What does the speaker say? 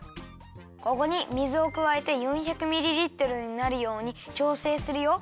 ここに水をくわえて４００ミリリットルになるようにちょうせいするよ。